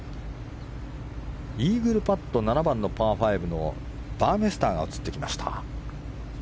イーグルパット、７番パー５のバーメスターが映ってきました。